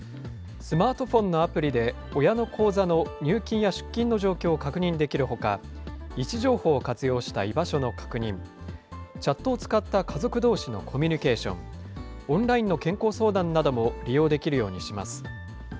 スマートフォンのアプリで親の口座の入金や出金の状況を確認できるほか、位置情報を活用した居場所の確認、チャットを使った家族どうしのコミュニケーション、オンラインの健康相談なども利用できるようにします。